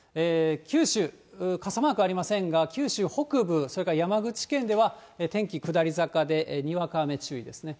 九州、傘マークありませんが、九州北部、それから山口県では天気下り坂で、にわか雨注意ですね。